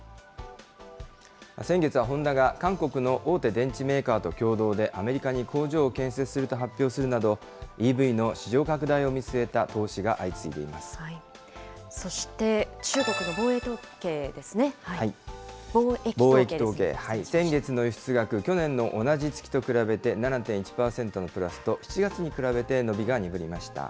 先月はホンダが韓国の大手電池メーカーと共同でアメリカに工場を建設すると発表するなど、ＥＶの市場拡大を見据えた投資が相そして、先月の輸出額、去年の同じ月と比べて７．１％のプラスと、７月に比べて、伸びが鈍りました。